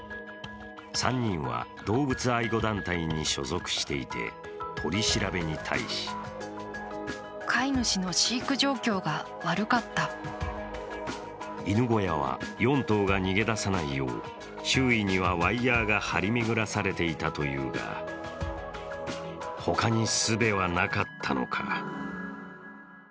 ３人は動物愛護団体に所属していて取り調べに対し犬小屋は４頭が逃げ出さないよう周囲にはワイヤーが張り巡らされていたというが他にすべはなかったのか。